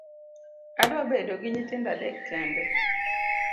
Adwa bedo gi nyithindo adek kende.